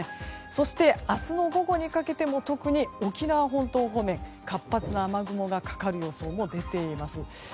そして、明日の午後にかけても特に沖縄本島方面活発な雨雲がかかる予想も出ています。